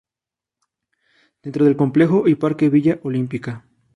Dentro del "Complejo y Parque Villa Olímpica".